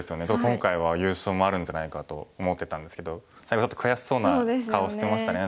今回は優勝もあるんじゃないかと思ってたんですけど最後悔しそうな顔してましたね。